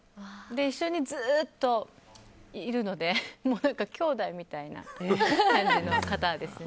一緒にずっといるので兄妹みたいな感じの方ですね。